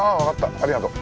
ありがとう。